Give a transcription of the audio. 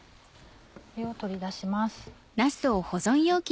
これを取り出します。